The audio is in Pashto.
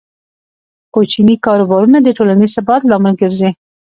کوچني کاروبارونه د ټولنیز ثبات لامل ګرځي.